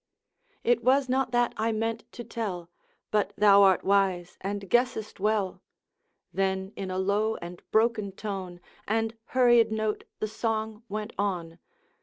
'It was not that I meant to tell... But thou art wise and guessest well.' Then, in a low and broken tone, And hurried note, the song went on.